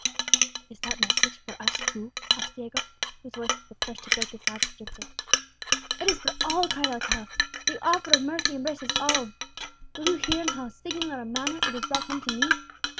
_'" "Is that message for us too?" asked Diego, whose voice was the first to break the silence which ensued. "It is for all," cried Alcala; "the offer of mercy embraces all. Will you hear in how singular a manner it was brought home to me?"